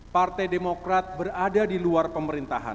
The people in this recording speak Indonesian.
partai demokrat berada di luar pemerintahan